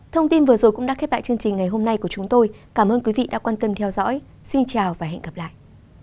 thông tin vừa rồi cũng đã khép lại chương trình ngày hôm nay của chúng tôi cảm ơn quý vị đã quan tâm theo dõi xin chào và hẹn gặp lại